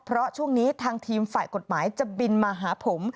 เพราะช่วงนี้ทางทีมฝ่ายกฎหมายจะบินมาหาผม